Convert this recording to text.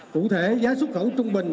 cụ thể giá xuất khẩu trung bình